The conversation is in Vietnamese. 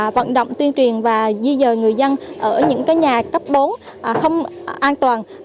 vận động tuyên truyền và di dời người dân ở những nhà cấp bốn không an toàn